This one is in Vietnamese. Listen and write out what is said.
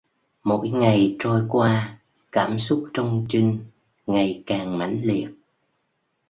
Mỗi ngày trôi qua cảm xúc trong Trinh ngày càng mãnh liệt